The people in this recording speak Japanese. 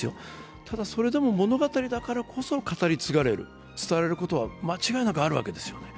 ただそれでも物語だからこそ語り伝えられる、伝わることは間違いなくあるわけですよね。